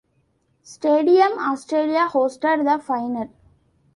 Stadium Australia hosted the Final.